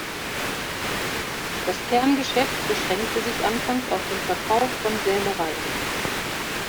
Das Kerngeschäft beschränkte sich anfangs auf den Verkauf von Sämereien.